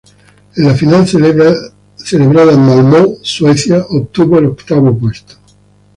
En la final celebrada en Malmö, Suecia, obtuvo el octavo puesto.